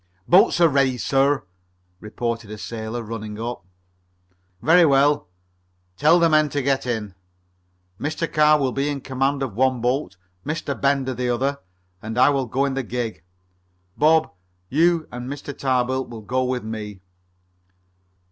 "Boats are all ready, sir," reported a sailor, running up. "Very well, tell the men to get in. Mr. Carr will be in command of one boat, Mr. Bender the other, and I will go in my gig. Bob, you and Mr. Tarbill will go with me.